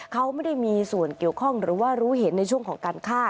เขาไม่ได้มีส่วนเกี่ยวข้องหรือว่ารู้เห็นในช่วงของการฆ่า